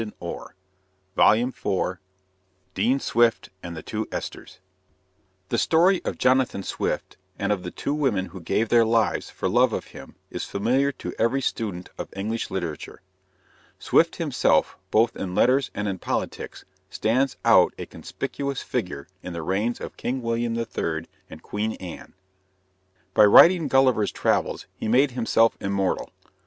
END OF VOLUME THREE DEAN SWIFT AND THE TWO ESTHERS The story of Jonathan Swift and of the two women who gave their lives for love of him is familiar to every student of English literature. Swift himself, both in letters and in politics, stands out a conspicuous figure in the reigns of King William III and Queen Anne. By writing Gulliver's Travels he made himself immortal.